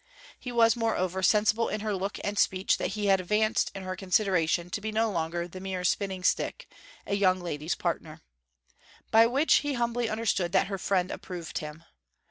He was, moreover, sensible in her look and speech that he had advanced in her consideration to be no longer the mere spinning stick, a young lady's partner. By which he humbly understood that her friend approved him.